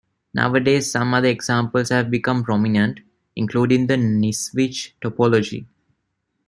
Nowadays some other examples have become prominent, including the Nisnevich topology.